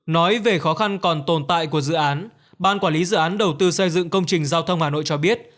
nói về khó khăn còn tồn tại của dự án ban quản lý dự án đầu tư xây dựng công trình giao thông hà nội cho biết